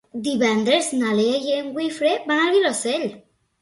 Divendres na Lea i en Guifré van al Vilosell.